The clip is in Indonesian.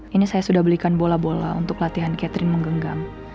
ini saya sudah belikan bola bola untuk latihan catering menggenggam